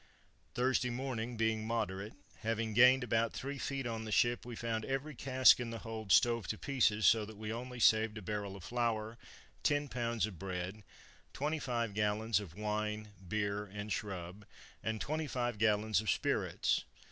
"Thursday morning being moderate, having gained about three feet on the ship, we found every cask in the hold stove to pieces, so that we only saved a barrel of flour, 10 lbs. of bread, twenty five gallons of wine, beer, and shrub, and twenty five gallons of spirits.